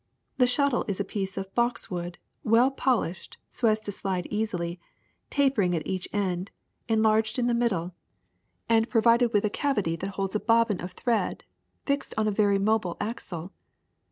The shuttle is a piece of boxwood, well polished so as to slide easily, tapering at each end, enlarged in the middle, and provided with a WEAVING 39 cavity that holds a bobbin of thread fixed on a very mobile axle.